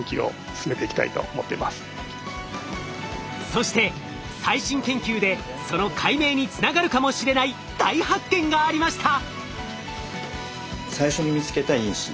そして最新研究でその解明につながるかもしれない大発見がありました！